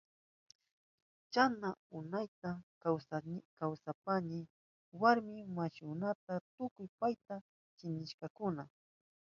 Chasna unayta kawsashpanshi warmi masinkunaka tukuy payta chiknirkakuna.